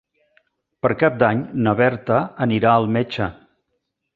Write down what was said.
Per Cap d'Any na Berta anirà al metge.